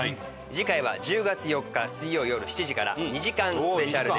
次回は１０月４日水曜よる７時から２時間スペシャルです。